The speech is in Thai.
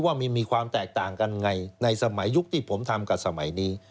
ว่ามีความแตกต่างกันไงในสมัยยุคที่ผมทำกับสมัยนี้